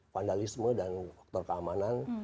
vandalisme dan faktor keamanan